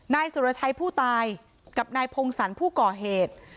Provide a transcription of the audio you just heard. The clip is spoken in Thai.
นายสุรชัยผู้ตายกับนายพงศรผู้ก่อเหตุ